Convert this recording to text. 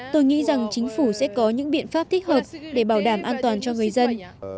tôi nghĩ rằng chính phủ sẽ có những biện pháp thích hợp để bảo đảm an toàn cho người dân